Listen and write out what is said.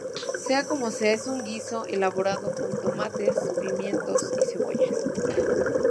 Sea como sea, es un guiso elaborado con tomates, pimientos y cebolla.